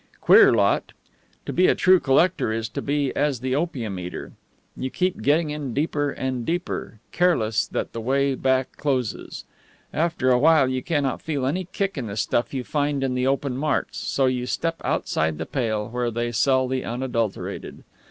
Queer lot. To be a true collector is to be as the opium eater: you keep getting in deeper and deeper, careless that the way back closes. After a while you cannot feel any kick in the stuff you find in the open marts, so you step outside the pale, where they sell the unadulterated.